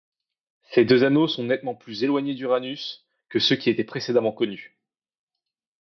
Ces deux anneaux sont nettement plus éloignés d'Uranus que ceux qui étaient précédemment connus.